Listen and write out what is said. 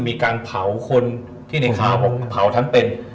มีการเผาคนที่ในข่าวบอกเผาทั้งเป็น